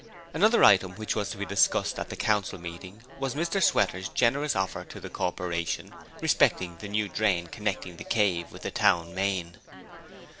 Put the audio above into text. Another item which was to be discussed at the Council meeting was Mr Sweater's generous offer to the Corporation respecting the new drain connecting 'The Cave' with the Town Main.